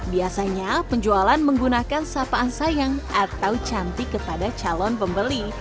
biasanya penjualan menggunakan sapaan sayang atau cantik kepada calon pembeli